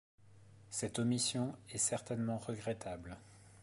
Cette omission est certainement regrettable.